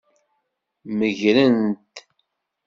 Megren-t.